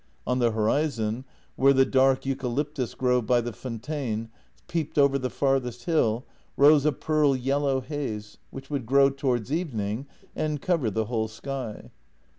On the horizon, where the dark eucalyptus grove by the Fontane peeped over the farthest hill, rose a pearl yellow haze, which would grow towards evening and cover the whole sky.